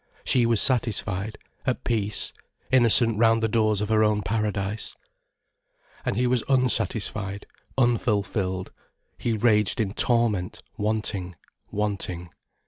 She was satisfied, at peace, innocent round the doors of her own paradise. And he was unsatisfied, unfulfilled, he raged in torment, wanting, wanting.